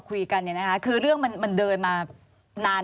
ควิทยาลัยเชียร์สวัสดีครับ